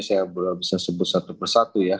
saya belum bisa sebut satu persatu ya